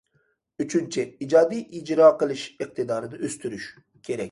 ئۈچىنچى، ئىجادىي ئىجرا قىلىش ئىقتىدارىنى ئۆستۈرۈش كېرەك.